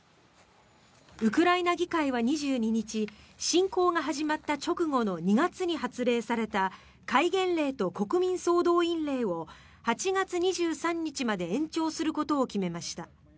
ウクライナ議会は２２日侵攻が始まった直後の２月に発令された戒厳令と国民総動員令を８月２３日まで延長することを決めました。